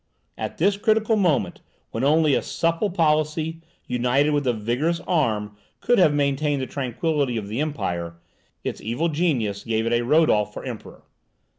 At this critical moment, when only a supple policy, united with a vigorous arm, could have maintained the tranquillity of the Empire, its evil genius gave it a Rodolph for Emperor.